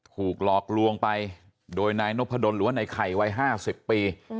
ถูกหลอกลวงไปโดยนายนพดลหรือว่าในไข่วัย๕๐ปี